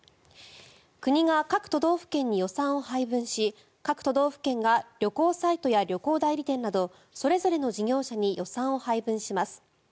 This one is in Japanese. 国が各都道府県に予算を配分し各都道府県が旅行サイトや旅行代理店などそれぞれの事業者に予算を配分します。